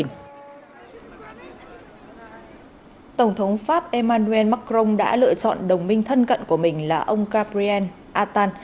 tổng thống pháp emmanuel macron đã lựa chọn đồng minh thân cận của mình là ông gabriel attal